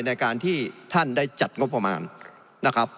ในการที่ท่านได้จัดงบประมาณนะครับ